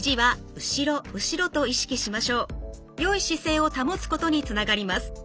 よい姿勢を保つことにつながります。